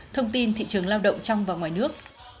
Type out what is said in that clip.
thông tin thị trường lao động trong và ngoài nước